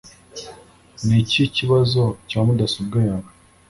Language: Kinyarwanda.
Niki kibazo cya mudasobwa yawe